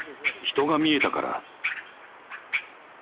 人が見えたから。